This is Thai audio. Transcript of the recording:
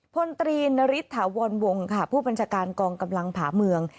พลตรีนฤทธาวรวงค่ะผู้บัญชาการกองกำลังผ่าเมือง